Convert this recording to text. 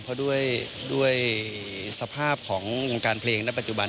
เพราะด้วยสภาพของวงการเพลงในปัจจุบัน